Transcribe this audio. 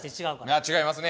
あ違いますね。